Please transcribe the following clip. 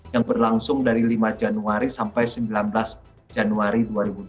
yang berlangsung dari lima januari sampai sembilan belas januari dua ribu dua puluh